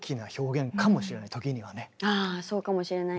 ああそうかもしれないですね。